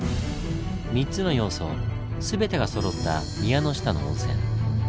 ３つの要素全てがそろった宮ノ下の温泉。